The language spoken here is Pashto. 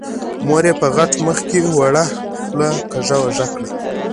مور يې په غټ مخ کې وړه خوله کږه وږه کړه.